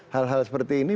hal hal seperti ini